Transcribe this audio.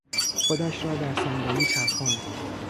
خودش را در صندلی چرخاند.